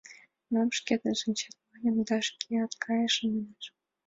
Мом шкетын шинчем, маньым да шкеат кайышым, — манеш.